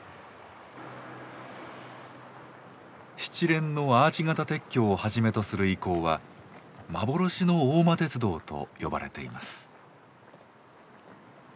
７連のアーチ型鉄橋をはじめとする遺構は「幻の大間鉄道」と呼ばれています。